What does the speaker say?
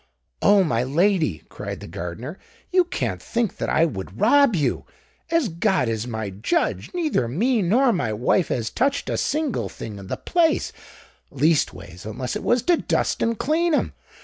"Oh! my lady," cried the gardener, "you can't think that I would rob you! As God is my judge, neither me nor my wife has touched a single thing in the place—leastways, unless it was to dust and clean 'em.